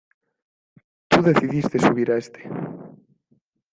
Tú decidiste subir a éste...